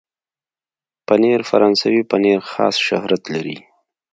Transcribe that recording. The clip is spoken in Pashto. پنېر فرانسوي پنېر خاص شهرت لري.